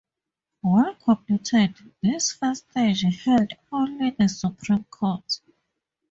Once completed, this first stage held only the Supreme Court.